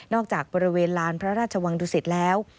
จากบริเวณลานพระราชวังดุสิตแล้ว